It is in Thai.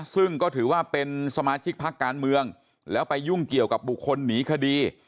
ซึ่งก็ถือว่าเป็นสมาชิกพักการเมืองแล้วไปยุ่งเกี่ยวกับบุคคลหนีคดี